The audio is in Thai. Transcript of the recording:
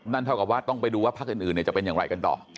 เท่ากับว่าต้องไปดูว่าพักอื่นจะเป็นอย่างไรกันต่อ